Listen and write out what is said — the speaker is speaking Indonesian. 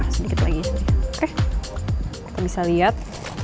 sedikit lagi bisa lihat